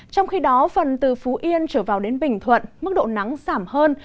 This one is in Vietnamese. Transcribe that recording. trong khi đó phần từ phú yên trở vào đến bình thuận mức độ nắng giảm hơn